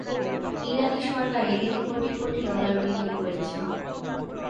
ইরানী সরকার এটিতে কোটি কোটি ডলার বিনিয়োগ করেছে।